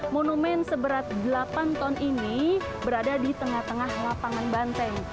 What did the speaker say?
monumen seberat delapan ton ini berada di tengah tengah lapangan banteng